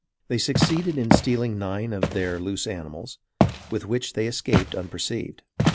They succeeded in stealing nine of their loose animals, with which they escaped unperceived.